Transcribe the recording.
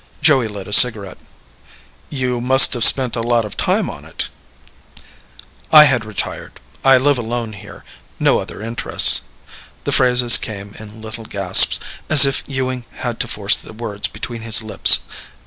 Joey lit a cigarette. "You must have spent a lot of time on it." "I had retired. I live alone here. No other interests." The phrases came in little gasps, as if Ewing had to force the words between his lips.